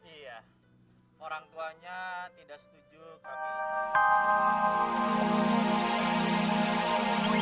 iya orang tuanya tidak setuju kami